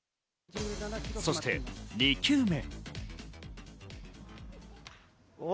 そして２球目。